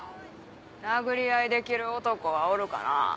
殴り合いできる男はおるかな？